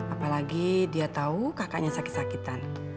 apalagi dia tahu kakaknya sakit sakitan